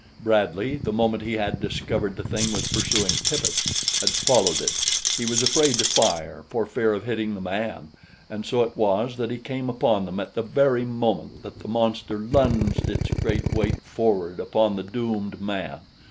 Bradley, the moment he had discovered the thing was pursuing Tippet, had followed it. He was afraid to fire for fear of hitting the man, and so it was that he came upon them at the very moment that the monster lunged its great weight forward upon the doomed man.